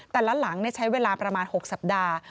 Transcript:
หลังใช้เวลาประมาณ๖สัปดาห์